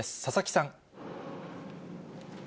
佐々木さん。